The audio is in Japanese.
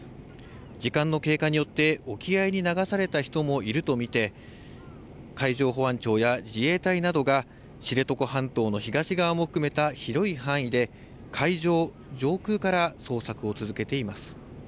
時間の経過によって沖合に流された人もいると見て、海上保安庁や自衛隊などが、知床半島の東側も含めた広い範囲で、海上上空から捜索を続けています。